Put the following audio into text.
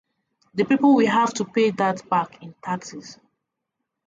The people will have to pay that back in taxes.